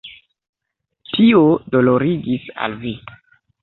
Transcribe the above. Tio dolorigis al vi.